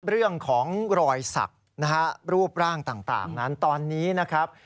เรื่องของรอยสักนะฮะรูปร่างต่างนั้นตอนนี้นะครับ